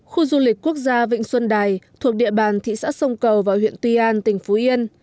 khu du lịch quốc gia vịnh xuân đài thuộc địa bàn thị xã sông cầu và huyện tuy an tỉnh phú yên